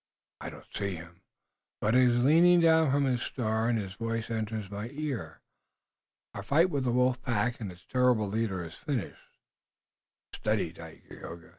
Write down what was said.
I do not see him, but he is leaning down from his star, and his voice enters my ear. Our fight with the wolf pack and its terrible leader is finished. Steady, Dagaeoga!